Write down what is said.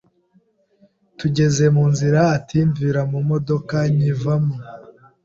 Tugeze mu nzira, ati: ” Mvira mu modoka”, nyivamo”,